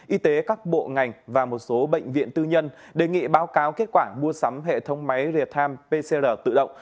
y tế các bộ ngành và một số bệnh viện tư nhân đề nghị báo cáo kết quả mua sắm hệ thống máy real time pcr tự động